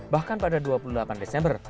bahkan pada dua puluh delapan desember